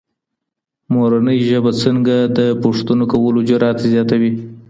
مورنۍ ژب څنګه د پوښتنو کولو جرئت زياتوي؟